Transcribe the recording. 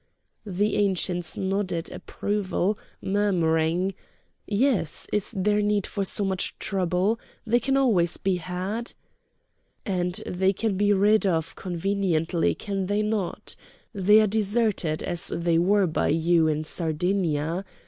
The Ancients nodded approval, murmuring:—"Yes, is there need for so much trouble? They can always be had?" "And they can be got rid of conveniently, can they not? They are deserted as they were by you in Sardinia.